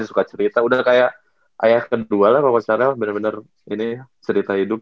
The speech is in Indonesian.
udah kayak ayah kedua lah pak coach sharel bener bener ini cerita hidup